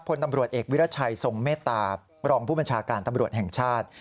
พลตำรวจเอกวิรัชัยทรงเมตตารองผู้บัญชาการตำรวจแห่งชาติ